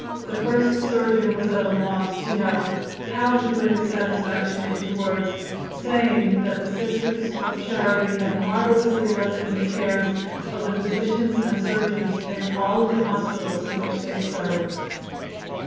The first surgeon was at a loss to know how to put his satisfaction into words, saying that the Sisters of Charity had marvelously lessened the cares of the physicians and surgeons in all of the hospitals in which they served.